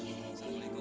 iya sana lurus aja